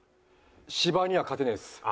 芝には勝てないです。